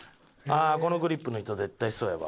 あっこのグリップの人絶対そうやわ。